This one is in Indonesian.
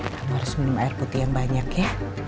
kamu harus minum air putih yang banyak ya